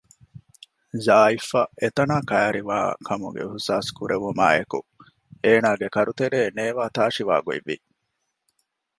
ޒާއިފް އަށް އެތަނާ ކައިރިވާކަމުގެ އިހްސާސް ކުރެވުމާއި އެކު އޭނާގެ ކަރުތެރޭގައި ނޭވާ ތާށިވާ ގޮތްވި